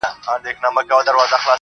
o زما د ميني ليونيه، ستا خبر نه راځي.